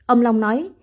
ông long nói